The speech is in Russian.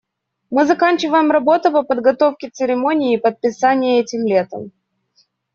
Мы заканчиваем работу по подготовке церемонии подписания этим летом.